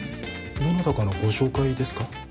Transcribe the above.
どなたかのご紹介ですか？